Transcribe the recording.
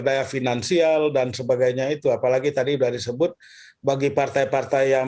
daya finansial dan sebagainya itu apalagi tadi udah disebut bagi partai partai yang